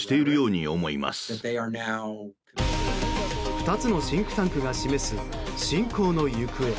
２つのシンクタンクが示す侵攻の行方。